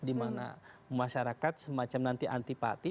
dimana masyarakat semacam nanti antipati